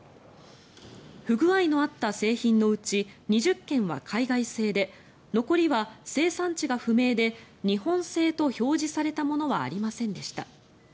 不具合のあった製品のうち２０件は海外製で残りは生産地が不明で日本製と表示されたものはありませんでした。